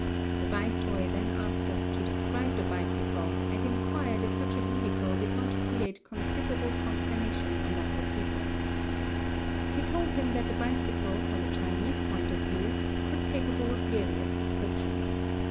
The viceroy then asked us to describe the bicycle, and inquired if such a vehicle did not create considerable consternation among the people. A CHINESE SEEDING DRILL. We told him that the bicycle from a Chinese point of view was capable of various descriptions.